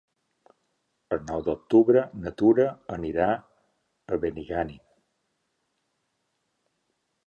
El nou d'octubre na Tura anirà a Benigànim.